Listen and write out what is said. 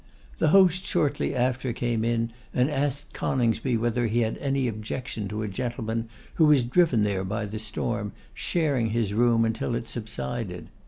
The host shortly after came in and asked Coningsby whether he had any objection to a gentleman, who was driven there by the storm, sharing his room until it subsided.